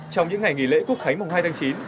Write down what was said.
trong những ngày nghỉ lễ quốc khánh mùng hai tháng chín